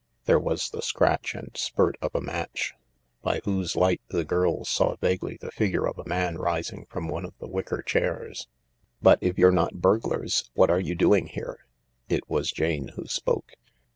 There was the scratch and spurt of a match, by whose light the girls saw vaguely the figure of a man rising from one of the wicker chairs. " But if you're not burglars what are you doing here ?" It was Jane who spoke.